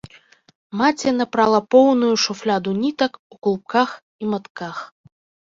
Маці напрала поўную шуфляду нітак у клубках і матках.